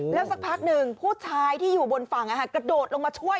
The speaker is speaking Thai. แล้วสักพักหนึ่งผู้ชายที่อยู่บนฝั่งกระโดดลงมาช่วย